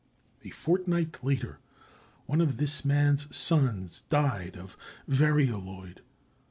A fortnight later, one of this man's sons died of varioloid.